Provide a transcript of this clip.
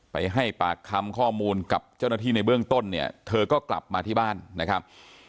ไปให้ปากคำข้อมูลกับเจ้าหน้าที่ในเบื้องต้นเนี่ยเธอก็กลับมาที่บ้านนะครับ